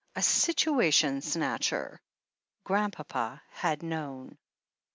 A situation snatcher." Grandpapa had known.